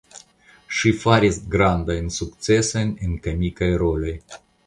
Ŝi faris grandajn sukcesojn en komikaj roloj.